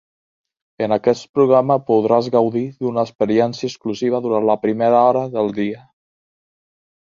En aquest programa podràs gaudir d'una experiència exclusiva durant la primera hora del dia.